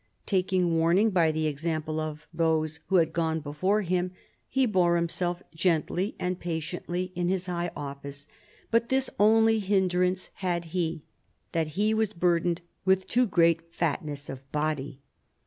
Taking warning by the example of those who had gone before him, he bore himself gently and patiently in his high office, but this only hindrance had he, that he was burdened with too great fatness of body.